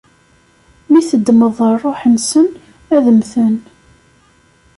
Mi teddmeḍ ṛṛuḥ-nsen, ad mmten.